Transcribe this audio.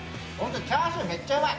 チャーシューめっちゃうまい。